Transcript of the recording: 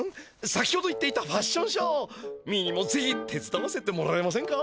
先ほど言っていたファッションショーミーにもぜひてつだわせてもらえませんか？